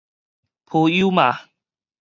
普悠瑪